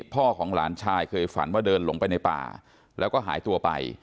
พ่อของหลานชายเคยฝันว่าเดินหลงไปในป่าแล้วก็หายตัวไป